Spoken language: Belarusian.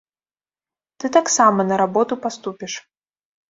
Ты таксама на работу паступіш.